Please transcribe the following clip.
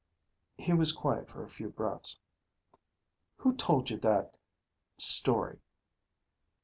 He was quiet for a few breaths. "Who told you that ... story?"